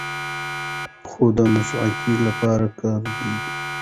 خو د معشوقې لپاره کارېدلي